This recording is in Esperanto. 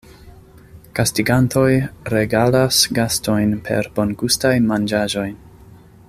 Gastigantoj regalas gastojn per bongustaj manĝaĵoj.